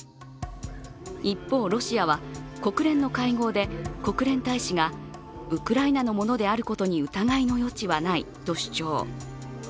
一方、ロシアは国連の会合で国連大使がウクライナのものであることに疑いの余地はないと主張。